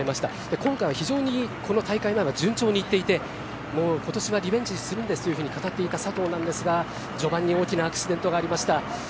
今回は非常にこの大会前は順調にいっていてもう今年はリベンジするんですと語っていた佐藤なんですが序盤に大きなアクシデントがありました。